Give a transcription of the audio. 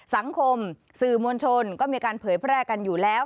สังคมสื่อมวลชนก็มีการเผยแพร่กันอยู่แล้ว